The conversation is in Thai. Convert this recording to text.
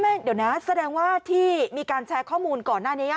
เดี๋ยวนะแสดงว่าที่มีการแชร์ข้อมูลก่อนหน้านี้